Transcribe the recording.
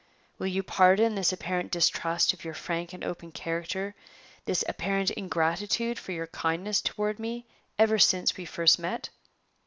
Will you pardon this apparent distrust of your frank and open character this apparent ingratitude for your kindness toward me ever since we first met?"